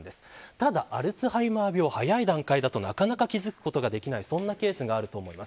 ただ、アルツハイマー病は早い段階だとなかなか気付くことができないそんなケースがあると思います。